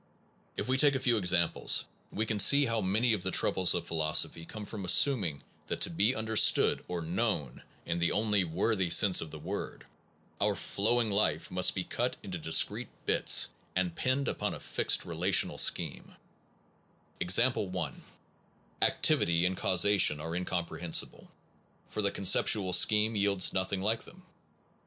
If we take a few examples, we can see how many of the troubles of philosophy come from Examples assuming that to be understood (or of puzzles intro known in the only worthy sense of by C <x>n *^e word) our flowing life must be ceptual cu j j n t o discrete bits and pinned transla tion upon a fixed relational scheme. Example 1. Activity and causation are in comprehensible, for the conceptual scheme yields nothing like them.